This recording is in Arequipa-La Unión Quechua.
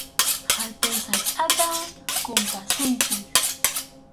Hatun sachʼata kumpasunchik.